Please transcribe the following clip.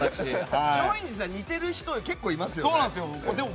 松陰寺さん、似てる人結構いますよね。